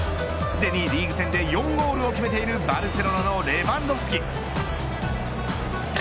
すでにリーグ戦で４ゴールを決めているバルセロナのレヴァンドフスキ。